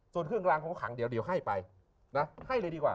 ส่วนเครื่องรางของขังเดี๋ยวให้ไปนะให้เลยดีกว่า